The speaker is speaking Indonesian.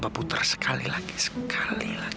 perituahnya sabar daya ini dah